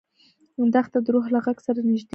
دښته د روح له غږ سره نږدې ده.